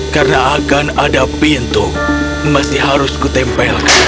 karena akan ada pintu masih harus kutempelkan